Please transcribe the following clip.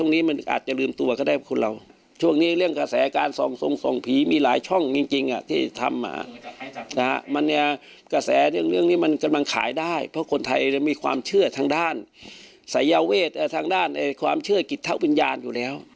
เนี่ยกระแสเรื่องนี้มันกำลังขายได้เพราะคนไทยมีความเชื่อทางด้านศัยเวททางด้านความเชื่อกิจทะวิญญาณอยู่แล้ว